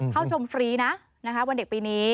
เข้าชมฟรีนะวันเด็กปีนี้